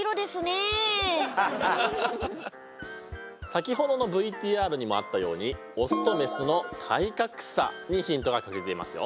先ほどのＶＴＲにもあったようにオスとメスの体格差にヒントが隠れていますよ。